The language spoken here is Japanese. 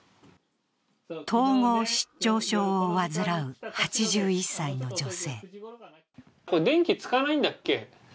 統合失調症を患う８１歳の女性。